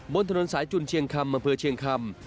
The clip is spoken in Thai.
มนต์ถนนสายจุลเชียงคำบรรพเชียงคำ